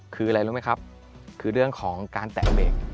คืออะไรรู้ไหมครับคือเรื่องของการแตะเบรก